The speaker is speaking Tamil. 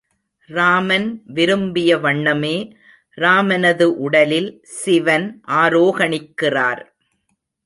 ராமன் விரும்பிய வண்ணமே ராமனது உடலில் சிவன் ஆரோகணிக்கிறார்.